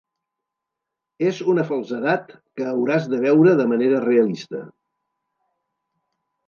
És una falsedat que hauràs de veure de manera realista.